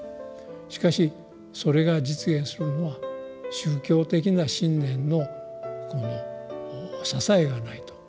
しかしそれが実現するのは宗教的な信念のこの支えがないとその持続はできないと。